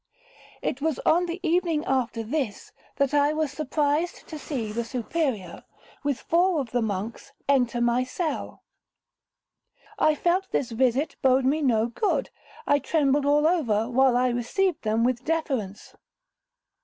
It was on the evening after this, that I was surprised to see the Superior, with four of the monks, enter my cell. I felt this visit boded me no good. I trembled all over, while I received them with deference.